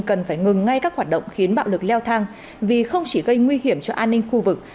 cần phải ngừng ngay các hoạt động khiến bạo lực leo thang vì không chỉ gây nguy hiểm cho an ninh khu vực